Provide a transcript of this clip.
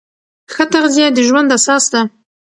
ښه تغذیه د ژوند اساس ده.